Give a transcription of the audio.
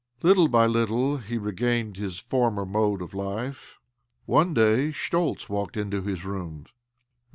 Little by little he regained his former mode of life. One day Schtoltz walked into his room.